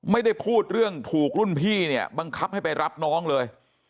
ไม่ได้พูดเรื่องถูกรุ่นพี่เนี่ยบังคับให้ไปรับน้องเลย